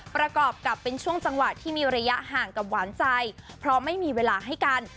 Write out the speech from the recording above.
ประกอบกับเป็นช่วงจังหวะที่มีระยะห่างกับหวานใจเพราะไม่มีเวลาให้กัน